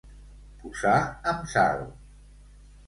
Posar amb sal.